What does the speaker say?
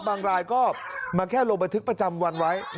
บางรายก็มาแค่ลงบันทึกประจำวันไว้